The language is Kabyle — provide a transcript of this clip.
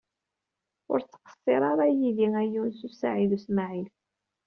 Ur ttqeṣṣiṛ ara yid-i a Yunes u Saɛid u Smaɛil.